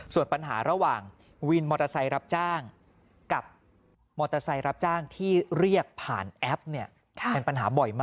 ส่วนปัญหาระหว่างวินมอเตอร์ไซค์รับจ้างกับมอเตอร์ไซค์รับจ้างที่เรียกผ่านแอปเนี่ยเป็นปัญหาบ่อยมาก